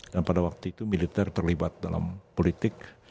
dan pada waktu itu militer terlibat dalam politik